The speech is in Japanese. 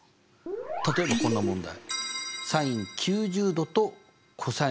例えばこんな問題。